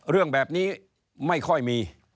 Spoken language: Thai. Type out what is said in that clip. เรื่องแบบนี้ไม่ค่อยมี